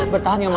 bertahan ya ma